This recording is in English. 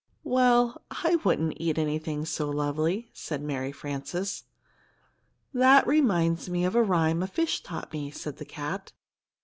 "Well, I wouldn't eat anything so lovely," said Mary Frances. "That reminds me of a rhyme a fish taught me," said the cat.